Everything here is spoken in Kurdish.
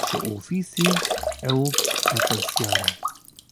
Ji ofîsê ew berpirsiyar e.